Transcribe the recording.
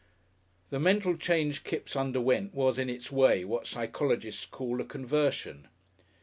The mental change Kipps underwent was, in its way, what psychologists call a conversion.